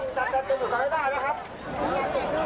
วิทยาลัยเมริกาวิทยาลัยเมริกา